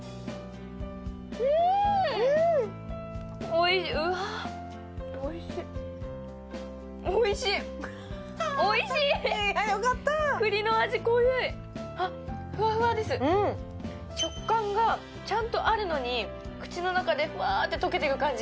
うんおいしいうわっよかったあっふわふわです食感がちゃんとあるのに口の中でふわって溶けてく感じ